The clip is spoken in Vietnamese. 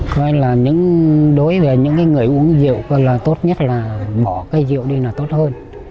coi là đối với những người uống rượu tốt nhất là bỏ cái rượu đi là tốt hơn